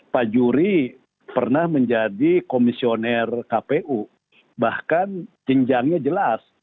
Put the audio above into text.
pak juri pernah menjadi komisioner kpu bahkan jenjangnya jelas